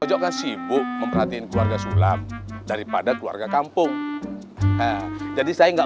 ojo kasih buk memperhatiin keluarga sulam daripada keluarga kampung jadi saya enggak